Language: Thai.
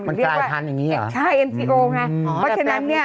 มันกายพันธุรกรรมอย่างเงี้ย